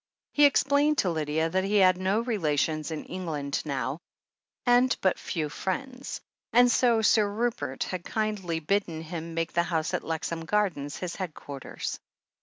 He ex plained to Lydia that he had no relations in England now, and but few friends, and so Sir Rupert had kindly bidden him make the house at Lexham Gardens his headquarters.